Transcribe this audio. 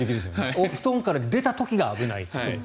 お布団から出た時に危ないという。